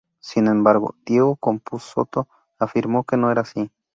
Sin embargo, Diego Capusotto afirmó que no era así.